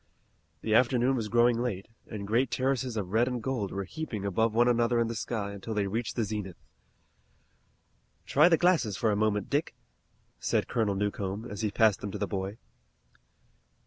The afternoon was growing late, and great terraces of red and gold were heaping above one another in the sky until they reached the zenith. "Try the glasses for a moment, Dick," said Colonel Newcomb, as he passed them to the boy.